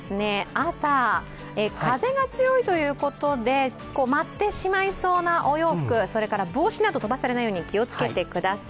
朝、風が強いということで舞ってしまいそうなお洋服、それから帽子など飛ばされないように気をつけてください。